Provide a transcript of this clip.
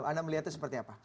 anda melihatnya seperti apa